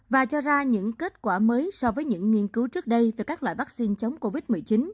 và cho ra những kết quả mới so với những nghiên cứu trước đây về các loại vaccine chống covid một mươi chín